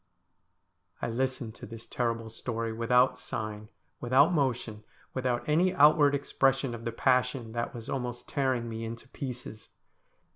I listened to this terrible story without sign, without motion, without any outward expression of the passion that was almost tearing me into pieces.